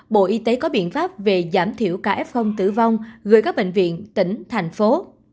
bộ y tế có biện pháp về giảm thiểu ca f tử vong gửi các bệnh viện tỉnh thành phố